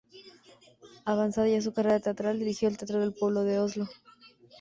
Avanzada ya su carrera teatral, dirigió el Teatro del Pueblo de Oslo.